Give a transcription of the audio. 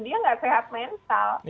dia nggak sehat mental